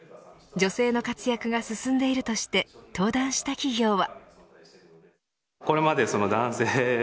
女性の活躍が進んでいるとして登壇した企業は。